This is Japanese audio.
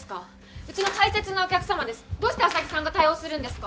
うちの大切なお客様ですどうして浅葱さんが対応するんですか？